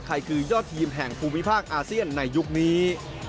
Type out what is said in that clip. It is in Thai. คือยอดทีมแห่งภูมิภาคอาเซียนในยุคนี้